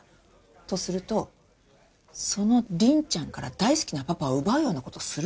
とするとその凛ちゃんから大好きなパパを奪うような事する？